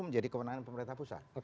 menjadi kemenangan pemerintah pusat